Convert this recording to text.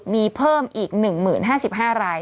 มีเพิ่มอีก๑๐๕๕ราย